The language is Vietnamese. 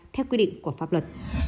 theo quy định của pháp luật